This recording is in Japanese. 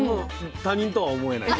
他人とは思えない。